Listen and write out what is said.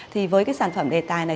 thì với cái sản phẩm đề tài này